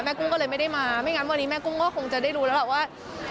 กุ้งก็เลยไม่ได้มาไม่งั้นวันนี้แม่กุ้งก็คงจะได้รู้แล้วล่ะว่า